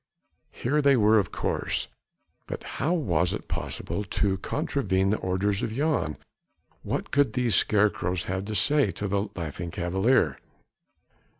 Here they were of course, but how was it possible to contravene the orders of Jan? What could these scarecrows have to say to the Laughing Cavalier?